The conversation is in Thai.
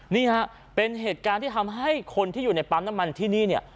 นี่ฮะเป็นเหตุการณ์ที่ทำให้คนที่อยู่ในปั๊มน้ำมันที่นี่เนี่ย